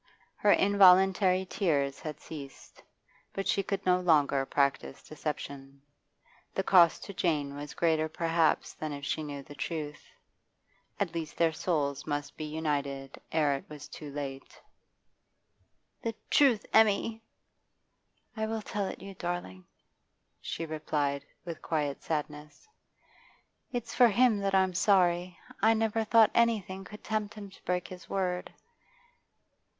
Her involuntary tears had ceased, but she could no longer practise deception. The cost to Jane was greater perhaps than if she knew the truth. At least their souls must be united ere it was too late. 'The truth, Emmy!' 'I will tell it you, darling,' she replied, with quiet sadness. 'It's for him that I'm sorry. I never thought anything could tempt him to break his word.